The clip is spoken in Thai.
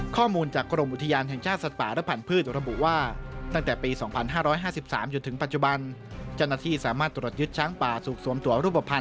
ข้อมูลจากกรมอุทิยามแห่งชาติสัตว์ป่าและผันพืชตรวจบุว่า